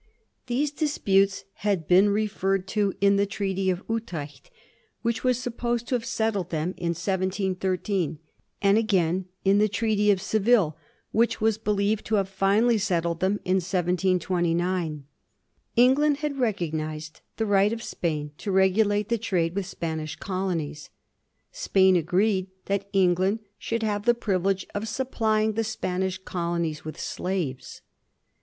These disputes had been referred to in the Treaty of Utrecht, which was supposed to have settled them in 1713; and again in the Treaty of Seville, which was be lieved to have finally settled them in 1729. England had recognized the right of Spain to regulate the trade with Spanish colonies. Spain agreed that England should have the privilege of supplying the Spanish colonies with slaves.